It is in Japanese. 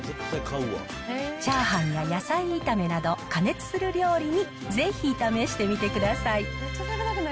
チャーハンや野菜炒めなど、加熱する料理にぜひ試してみてください。